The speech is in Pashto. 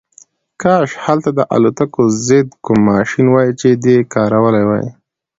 کاش هلته د الوتکو ضد کوم ماشین وای چې دی کارولی وای